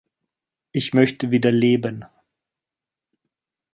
Ich möchte wieder leben.